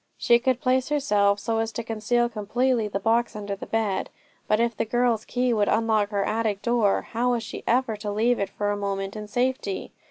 She could place herself so as to conceal completely the box under the bed; but if the girl's key would unlock her attic door, how was she ever to leave it for a moment in safety?